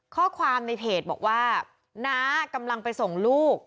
ข้อความในเพจบอกว่าน้ากำลังไปส่งลูก